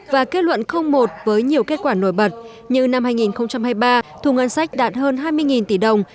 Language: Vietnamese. và kết luận một với nhiều kết quả nổi bật như năm hai nghìn hai mươi ba thu ngân sách đạt hơn hai mươi tỷ đồng